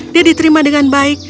dia diterima dengan baik